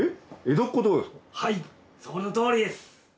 はいそのとおりです。